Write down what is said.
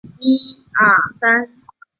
但是这楼梯不可以在紧急时使用。